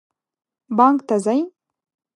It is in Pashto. بانک ته ځئ؟